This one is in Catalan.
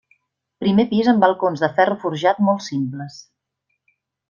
Primer pis amb balcons de ferro forjat molt simples.